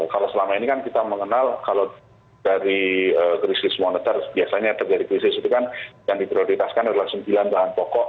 kalau selama ini kan kita mengenal kalau dari krisis moneter biasanya yang terjadi krisis itu kan yang diprioritaskan adalah sembilan bahan pokok